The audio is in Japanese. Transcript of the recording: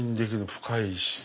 深いしね。